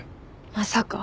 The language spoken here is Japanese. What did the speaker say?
まさか。